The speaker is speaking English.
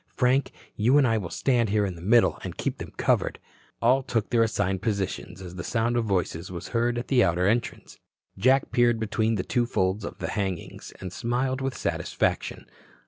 Frank, you and I will stand here in the middle and keep them covered." All took their assigned positions as the sound of voices was heard at the outer entrance. Jack peered between the two folds of the hangings and smiled with satisfaction.